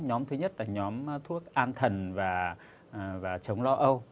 nhóm thứ nhất là nhóm thuốc an thần và chống lo âu